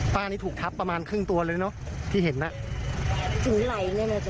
ป้านี่ถูกทับประมาณครึ่งตัวเลยเนอะที่เห็นนั่น